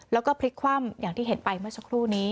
แล้วก็พลิกคว่ำอย่างที่เห็นไปเมื่อสักครู่นี้